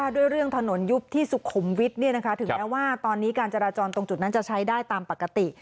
ด้วยเรื่องถนนยุบที่สุขุมวิทย์ถึงแม้ว่าตอนนี้การจราจรตรงจุดนั้นจะใช้ได้ตามปกติ